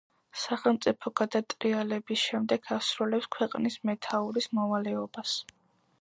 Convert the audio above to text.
სახელმწიფო გადატრიალების შემდეგ ასრულებს ქვეყნის მეთაურის მოვალეობას.